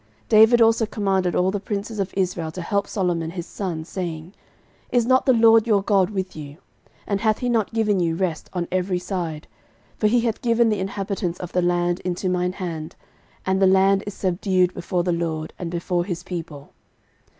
13:022:017 David also commanded all the princes of Israel to help Solomon his son, saying, 13:022:018 Is not the LORD your God with you? and hath he not given you rest on every side? for he hath given the inhabitants of the land into mine hand; and the land is subdued before the LORD, and before his people.